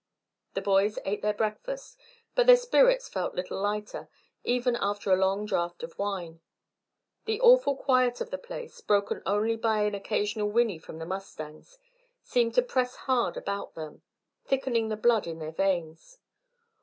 The boys ate their breakfast, but their spirits felt little lighter, even after a long draught of wine. The awful quiet of the place, broken only by an occasional whinny from the mustangs, seemed to press hard about them, thickening the blood in their veins.